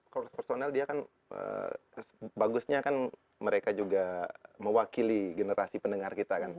kalau personel dia kan bagusnya kan mereka juga mewakili generasi pendengar kita kan